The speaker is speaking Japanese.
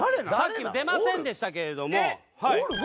さっき出ませんでしたけれども。